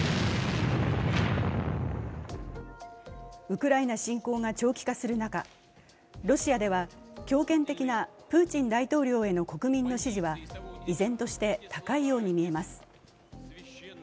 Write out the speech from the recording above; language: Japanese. ウクライナ侵攻が長期化する中、ロシアでは、強権的なプーチン大統領への国民の支持は依然として高いように見えます。